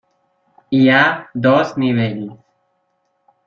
Hi ha dos nivells: